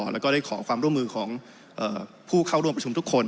แล้วก็ได้ขอความร่วมมือของผู้เข้าร่วมประชุมทุกคน